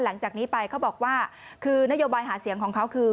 หลังจากนี้ไปเขาบอกว่าคือนโยบายหาเสียงของเขาคือ